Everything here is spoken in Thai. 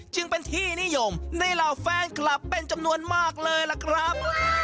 จึงเป็นที่นิยมในเหล่าแฟนคลับเป็นจำนวนมากเลยล่ะครับ